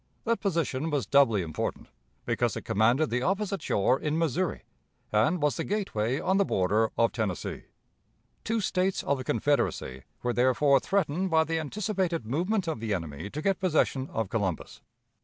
That position was doubly important, because it commanded the opposite shore in Missouri, and was the gateway on the border of Tennessee. Two States of the Confederacy were therefore threatened by the anticipated movement of the enemy to get possession of Columbus.